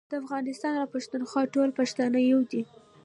د افغانستان او پښتونخوا ټول پښتانه يو دي